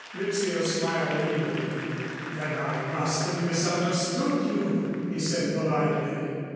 Rizzio smiled amiably. "Then I must have misunderstood you," he said politely.